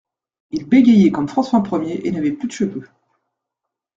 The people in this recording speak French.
Il bégayait comme François Ier et n'avait plus de cheveux.